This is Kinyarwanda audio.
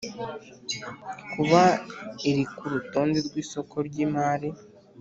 Kuba iri ku rutonde rw isoko ry imari